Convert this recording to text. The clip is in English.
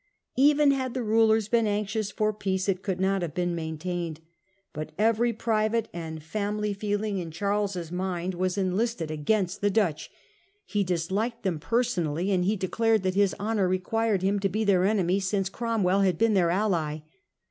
* Even had the rulers been anxious for peace it could not have been maintained. But every private and family Feeling of f ee ^ n £ in Charles's mind was enlisted against Charles and the Dutch. He disliked them personally, and De Witt. k e declared that his honour required him to be their enemy since Cromwell had be.en their ally.